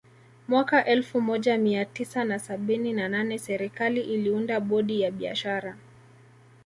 Mwaka elfu moja mia tisa na sabini na nane serikali iliunda bodi ya biashara